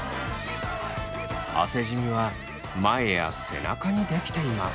汗じみは前や背中に出来ています。